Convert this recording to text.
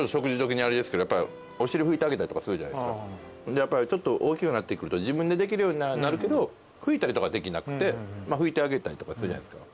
やっぱりちょっと大きくなってくると自分でできるようになるけど拭いたりとかできなくて拭いてあげたりとかするじゃないですか。